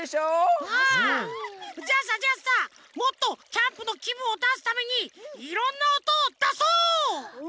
じゃあさじゃあさもっとキャンプのきぶんをだすためにいろんなおとをだそう！